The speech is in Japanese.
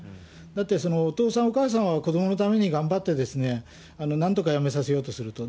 だって、お父さんお母さんは子どものために頑張って、なんとか辞めさせようとすると。